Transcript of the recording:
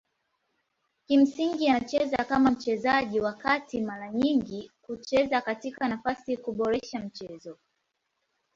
Kimsingi anacheza kama mchezaji wa kati mara nyingi kucheza katika nafasi kuboresha mchezo.